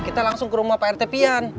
kita langsung ke rumah pak rt pian